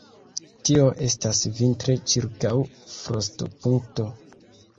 Tio estas vintre ĉirkaŭ frostopunkto.